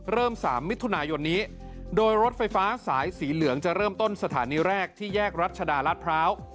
๓มิถุนายนนี้โดยรถไฟฟ้าสายสีเหลืองจะเริ่มต้นสถานีแรกที่แยกรัชดาราชพร้าว